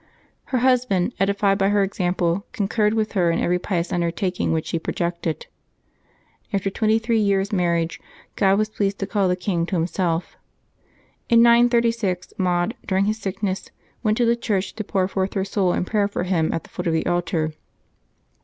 Her husband, edified by her example, concurred with her in every pious undertaking which she projected. After twenty three years' marriage God was pleased to call the king to himself, in 936. Maud, during his sickness, went to the church to pour forth her soul in prayer for him at the foot of the altar.